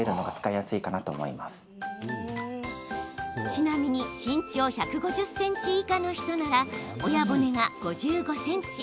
ちなみに身長１５０ｃｍ以下の人なら、親骨が５５ｃｍ。